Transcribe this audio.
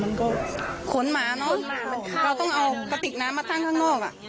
มันก็ขนหมาเนอะเราต้องเอากระติกน้ำมาตั้งข้างนอกอ่ะ